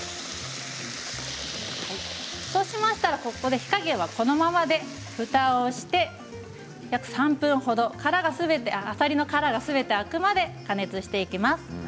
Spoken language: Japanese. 火加減はこのままで、ふたをして約３分程、あさりの殻がすべて開くまで加熱していきます。